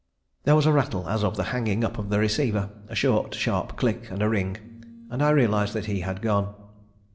There was a rattle as of the hanging up of the receiver, a short sharp click and a ring, and I realised that he had gone.